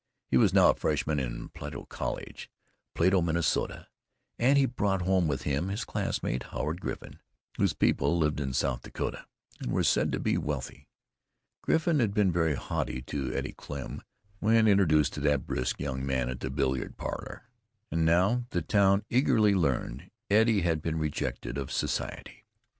He was now a freshman in Plato College, Plato, Minnesota. He had brought home with him his classmate, Howard Griffin, whose people lived in South Dakota and were said to be wealthy. Griffin had been very haughty to Eddie Klemm, when introduced to that brisk young man at the billiard parlor, and now, the town eagerly learned, Eddie had been rejected of society.